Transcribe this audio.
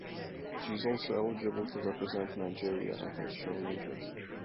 She is also eligible to represent Nigeria and has shown interest.